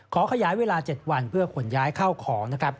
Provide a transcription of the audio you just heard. ขอขยายเวลา๗วันเพื่อกุ่นย้ายเข้าของ